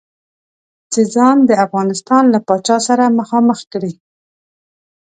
چې ځان د افغانستان له پاچا سره مخامخ کړي.